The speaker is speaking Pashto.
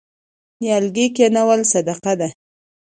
نیالګي کینول صدقه ده.